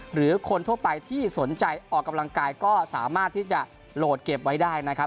หรือคนทั่วไปที่สนใจออกกำลังกายก็สามารถที่จะโหลดเก็บไว้ได้นะครับ